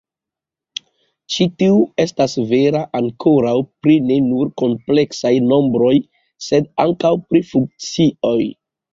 Ĉi tiu estas vera ankoraŭ pri ne nur kompleksaj nombroj, sed ankaŭ pri funkcioj.